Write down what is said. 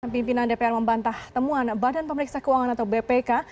pimpinan dpr membantah temuan badan pemeriksa keuangan atau bpk